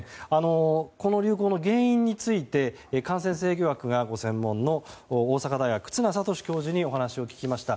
この流行の原因について感染制御学がご専門の大阪大学、忽那賢志教授に聞きました。